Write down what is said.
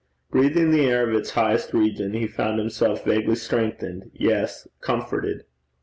Breathing the air of its highest region, he found himself vaguely strengthened, yes comforted.